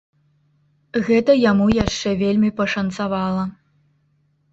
Гэта яму яшчэ вельмі пашанцавала!